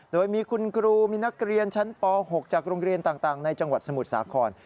โดยมีคุณครูมีนักเรียนชั้นป๖จากโรงเรียนต่างในจังหวัดสมุทรสาคร